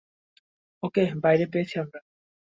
ওকে বাইরে পেয়েছি আমরা।